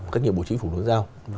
các nhiệm vụ chính phủ đối giao